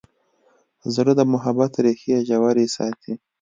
زړه د محبت ریښې ژورې ساتي.